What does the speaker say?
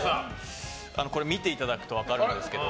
これ、見ていただくと分かるんですけど。